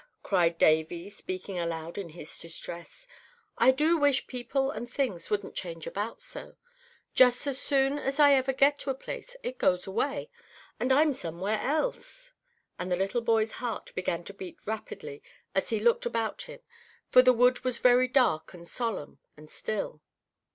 cried Davy, speaking aloud in his distress, "I do wish people and things wouldn't change about so! Just so soon as ever I get to a place it goes away, and I'm somewhere else!" and the little boy's heart began to beat rapidly as he looked about him; for the wood was very dark and solemn and still.